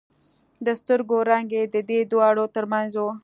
د سترګو رنگ يې د دې دواړو تر منځ و.